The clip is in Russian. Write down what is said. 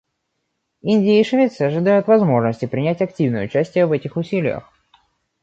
Индия и Швеция ожидают возможности принять активное участие в этих усилиях.